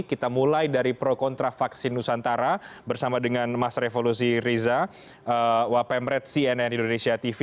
kita mulai dari pro kontra vaksin nusantara bersama dengan mas revolusi riza wapemret cnn indonesia tv